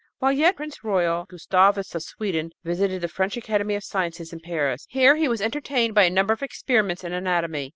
While yet prince royal, Gustavus of Sweden visited the French Academy of Sciences in Paris. Here he was entertained by a number of experiments in anatomy.